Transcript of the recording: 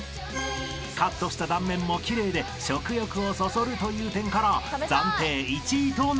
［カットした断面も奇麗で食欲をそそるという点から暫定１位となりました］